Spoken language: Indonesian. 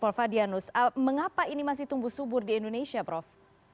prof fadil mengapa ini masih tumbuh subur di indonesia prof